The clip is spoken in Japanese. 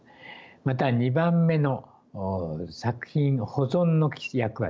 また２番目の作品保存の役割。